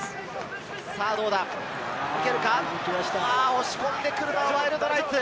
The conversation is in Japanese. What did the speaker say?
押し込んでくるのはワイルドナイツ。